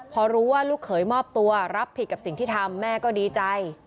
พอรู้ว่าลูกเขยมอบตัวรับผิดกับสิ่งที่ทำแม่ก็ดีใจ